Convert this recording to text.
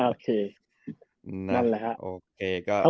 โอเคนั่นแหละ